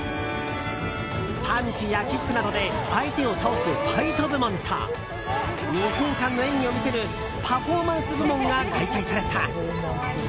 パンチやキックなどで相手を倒すファイト部門と２分間の演技を見せるパフォーマンス部門が開催された。